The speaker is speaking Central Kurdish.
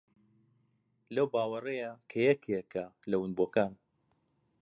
لەو باوەڕەیە کە یەکێکە لە ونبووەکان